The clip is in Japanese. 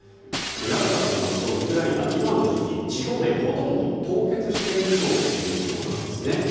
なぜかといいますとウクライナは今の時期地表面、ほとんど凍結しているということなんですね。